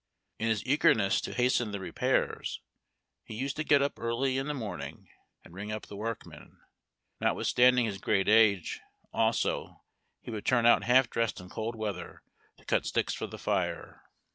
In his eagerness to hasten the repairs, he used to get up early in the morning, and ring up the workmen. Notwithstanding his great age, also, he would turn out half dressed in cold weather to cut sticks for the fire.